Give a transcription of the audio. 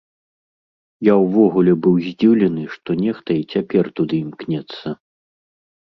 Я ўвогуле быў здзіўлены, што нехта і цяпер туды імкнецца.